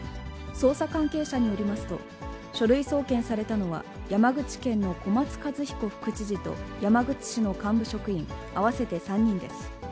捜査関係者によりますと、書類送検されたのは山口県の小松一彦副知事と山口市の幹部職員合わせて３人です。